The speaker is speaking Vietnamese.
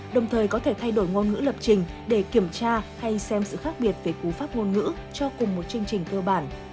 đồng thời có thể thay đổi ngôn ngữ lập trình để kiểm tra hay xem sự khác biệt về cú pháp ngôn ngữ cho cùng một chương trình cơ bản